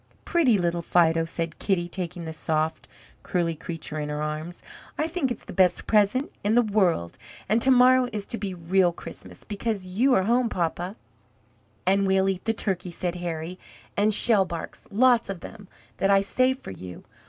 "Pretty little Fido," said Kitty, taking the soft, curly creature in her arms; "I think it's the best present in the world, and to morrow is to be real Christmas, because you are home, papa." "And we'll eat the turkey," said Harry, "and shellbarks, lots of them, that I saved for you.